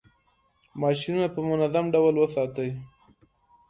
ماشینونه په منظم ډول وساتئ.